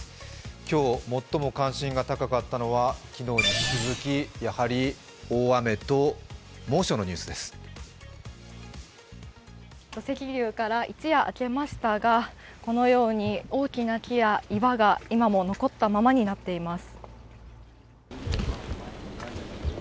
今日最も関心が高かったのは昨日に引き続き土石流から一夜明けましたがこのように大きな木や岩が今も残ったままになっています。